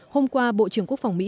hôm qua bộ trưởng quốc phòng mỹ